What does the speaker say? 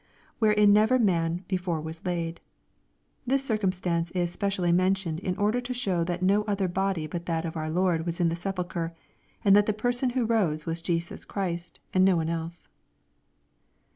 [ Wherein never man before was laid.] This circumstance is spe cially mentioned in order to show that no other body but that of our Lord was in the sepulchre, and that the person who rose was Jesus Christ, and no one else.